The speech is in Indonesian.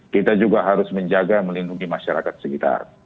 kita juga harus menjaga melindungi masyarakat sekitar